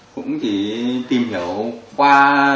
cũng chỉ tìm hiểu qua